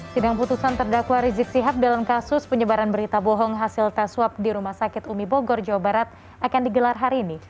sidang putusan terdakwa rizik sihab dalam kasus penyebaran berita bohong hasil tes swab di rumah sakit umi bogor jawa barat akan digelar hari ini